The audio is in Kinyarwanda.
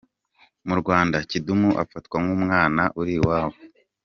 Mu Rwanda, Kidum afatwa nk’umwana uri iwabo.